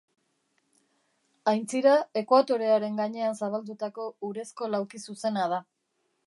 Aintzira ekuatorearen gainean zabaldutako urezko laukizuzena da.